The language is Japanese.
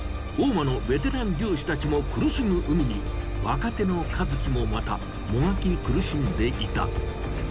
大間のベテラン漁師たちも苦しむ海に若手の和喜もまたもがき苦しんでいた。